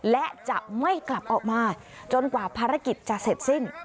และจะไม่กลับออกมาจนกว่าภารกิจจะเสร็จสิ้น